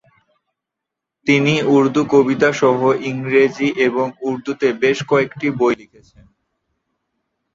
তিনি উর্দু কবিতা সহ ইংরেজি এবং উর্দুতে বেশ কয়েকটি বই লিখেছেন।